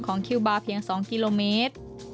คิวบาร์เพียง๒กิโลเมตร